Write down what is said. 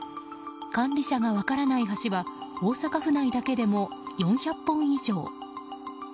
管理者が分からない橋は大阪府内だけでも４００本以上。